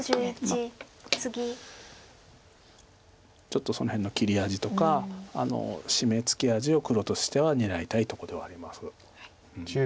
ちょっとその辺の切り味とかシメツケ味を黒としては狙いたいとこではあります。